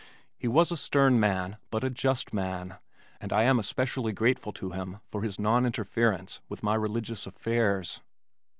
He was a stern man but a just man, and I am especially grateful to him for his non interference with my religious affairs.